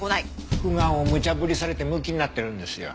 復顔を無茶ぶりされてムキになってるんですよ。